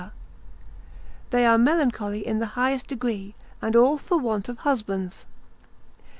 they are melancholy in the highest degree, and all for want of husbands.